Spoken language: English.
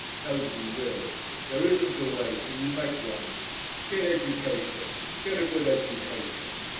Nobody will. There isn't a way till you make one. Get education, get a good education.